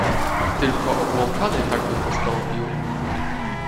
"Tylko obłąkany tak by postąpił."